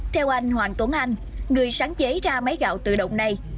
theo anh hoàng tuấn anh người sáng chế ra máy gạo tự động này